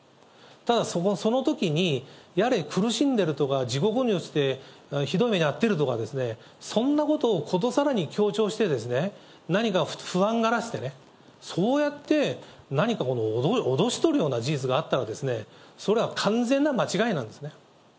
ただそのときに、やれ、苦しんでるとか、地獄に落ちてひどい目に遭ってるとかですね、そんなことをことさらに強調して、何か不安がらせてね、そうやって何か、脅し取るような事実があったら、それは完全な間違いなんですね。